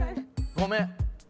ごめん。